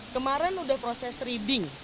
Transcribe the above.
kemarin udah proses reading